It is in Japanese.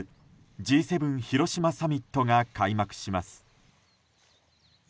Ｇ７広島サミットが開幕します。